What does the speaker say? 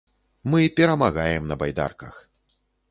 Мы перамагаем на байдарках.